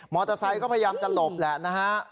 อเตอร์ไซค์ก็พยายามจะหลบแหละนะฮะ